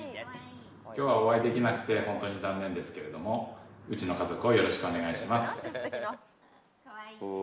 きょうはお会いできなくて本当に残念ですけれども、うちの家族をよろしくお願いします。